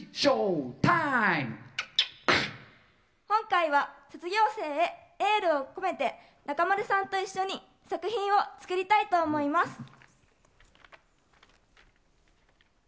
今回は、卒業生へエールを込めて、中丸さんと一緒に、作品を作りたいと思います。